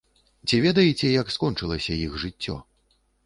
Ці ведаеце, як скончылася іх жыццё?